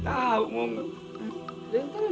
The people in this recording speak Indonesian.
tahu mau ngebut